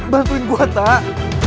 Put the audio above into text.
bantuin gue tak